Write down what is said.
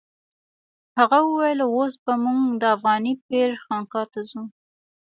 هغه وویل اوس به موږ د افغاني پیر خانقا ته ځو.